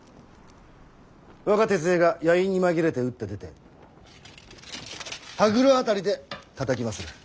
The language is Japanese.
我が手勢が夜陰に紛れて打って出て羽黒辺りでたたきまする。